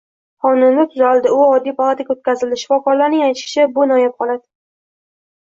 Xonanda tuzaldi, u oddiy palataga o‘tkazildi. Shifokorlarning aytishicha, bu noyob holat